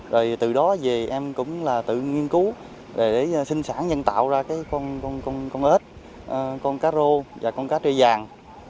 rồi từ đó về em cũng tự nghiên cứu để sinh sản nhân tạo ra con ếch con cá rô và con cá trê vàng